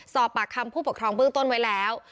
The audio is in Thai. สอบปากคำผู้ปกครองเบื้องต้นไว้แล้ว